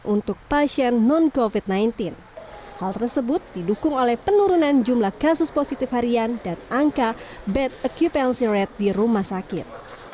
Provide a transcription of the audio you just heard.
untuk pasien non covid sembilan belas hal tersebut didukung oleh penurunan jumlah kasus positif harian dan angka bed occupancy rate di rumah sakit